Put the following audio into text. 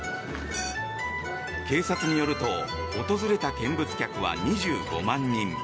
警察によると訪れた見物客は２５万人。